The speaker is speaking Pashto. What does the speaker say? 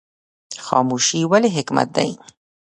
خاموشي ولې حکمت دی؟